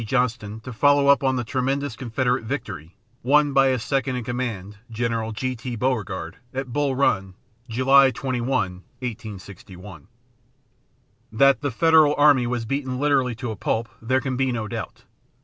Johnston to follow up the tremendous Confederate victory won by his second in command, General G. T. Beauregard, at Bull Run, July 21, 1861. That the Federal army was beaten literally to a pulp there can be no doubt.